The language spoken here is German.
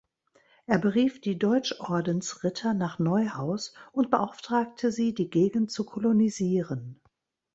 Er berief die Deutschordensritter nach Neuhaus und beauftragte sie, die Gegend zu kolonisieren.